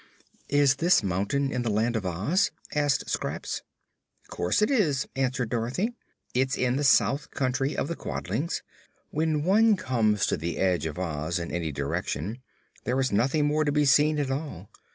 "Is this mountain in the Land of Oz?" asked Scraps. "Course it is," answered Dorothy. "It's in the South Country of the Quadlings. When one comes to the edge of Oz, in any direction, there is nothing more to be seen at all.